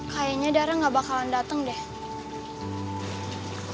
kayaknya darah nggak bakalan dateng deh